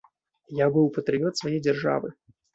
Я быў патрыёт свае дзяржавы.